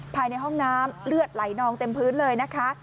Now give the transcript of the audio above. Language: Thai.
ภายในห้องน้ำเลือดไหลนองเต็มพื้นเลยนะคะ